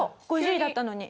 ５０位だったのに。